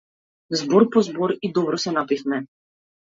Збор по збор, и добро се напивме.